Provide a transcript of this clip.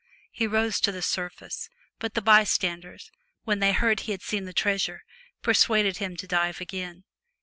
He rose to the surface ; but the bystanders, when they heard he had seen the treasure, persuaded him to dive again.